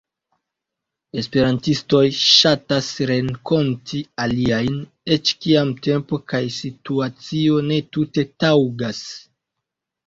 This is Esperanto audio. Esperantistoj ŝatas renkonti aliajn, eĉ kiam tempo kaj situacio ne tute taŭgas.